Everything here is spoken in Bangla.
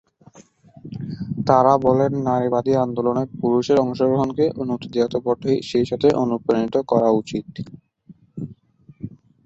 তারা বলেন, নারীবাদী আন্দোলনে পুরুষের অংশগ্রহণকে অনুমতি দেয়া তো বটেই, সেই সাথে অনুপ্রাণিত করা উচিত।